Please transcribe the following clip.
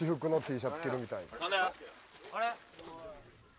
・あれ？